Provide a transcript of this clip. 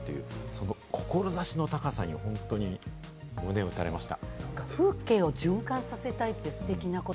その志の高さに本当に胸を打たれました。